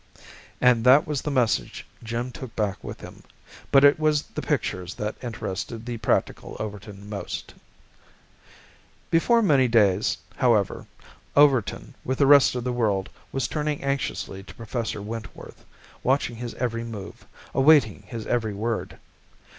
And that was the message Jim took back with him, but it was the pictures that interested the practical Overton most. Before many days, however, Overton, with the rest of the world, was turning anxiously to Professor Wentworth, watching his every move, awaiting his every word.